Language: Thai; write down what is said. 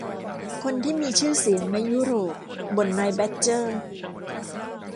คนที่มีชื่อเสียงในยุโรปบ่นนายแบดเจอร์